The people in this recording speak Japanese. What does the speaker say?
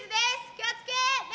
気をつけ、礼。